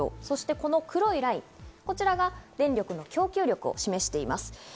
そして黒いライン、こちらが電力の供給力を示しています。